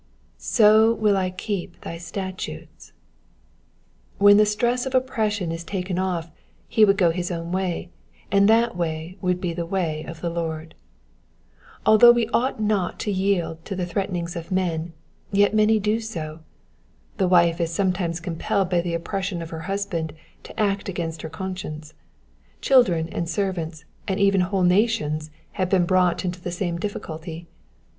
^^8o will I keep thy statutes.''^ When the stress of oppression was taken oft he would go his own way, and that way would be the way of the Lord. Although we ought not to yield to the threatenings of men, yet many do so ; the wife is sometimes compelled by the oppression of her husband to act against her conscience : children and servants, and even whole nations have been brought into the same difficulty.